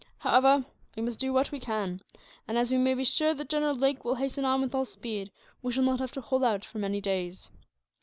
However, we must do what we can and, as we may be sure that General Lake will hasten on with all speed, we shall not have to hold out for many days.